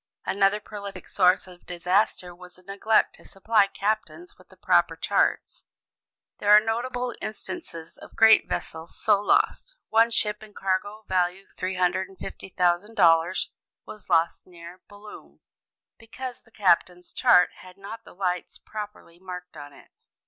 Another prolific source of disaster was the neglect to supply captains with the proper charts. There are notable instances of great vessels so lost. One ship and cargo, value $350,000, was lost near Boulogne, because the captain's chart had not the lights properly marked on it.